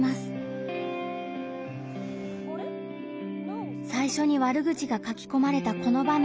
いわゆる最初に悪口が書きこまれたこの場面。